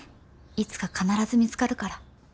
いつか必ず見つかるから。